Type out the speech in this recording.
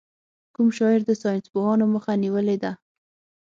کوم شاعر د ساینسپوهانو مخه نېولې ده.